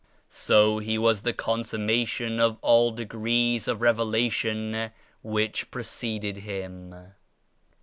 So he was the con summation of all degrees of Revelation which preceded Him."